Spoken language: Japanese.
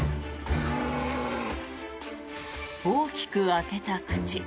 大きく開けた口。